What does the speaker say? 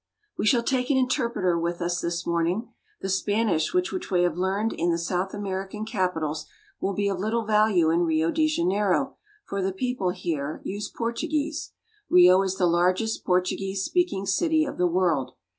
WE shall take an interpreter with us this morning. The Spanish which we have learned in the South American capitals will be of little value in Rio de Janeiro, for the people here use Portuguese. Rio is the largest Portuguese speaking city of the world.